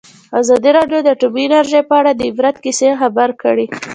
ازادي راډیو د اټومي انرژي په اړه د عبرت کیسې خبر کړي.